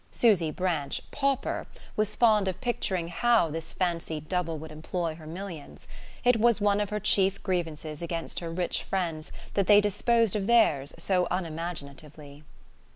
Susy Branch, pauper, was fond of picturing how this fancied double would employ her millions: it was one of her chief grievances against her rich friends that they disposed of theirs so unimaginatively.